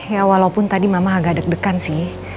ya walaupun tadi mama agak deg degan sih